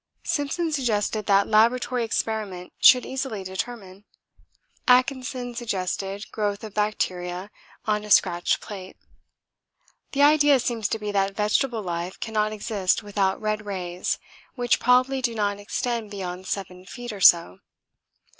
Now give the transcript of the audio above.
Simpson suggested that laboratory experiment should easily determine. Atkinson suggested growth of bacteria on a scratched plate. The idea seems to be that vegetable life cannot exist without red rays, which probably do not extend beyond 7 feet or so.